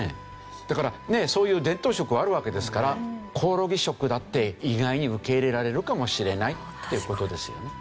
だからそういう伝統食はあるわけですからコオロギ食だって意外に受け入れられるかもしれないという事ですよね。